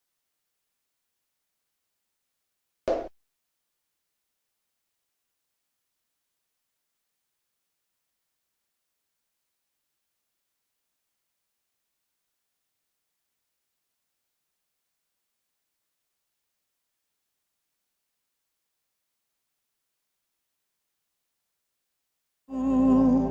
syabatos juga kembali ke arah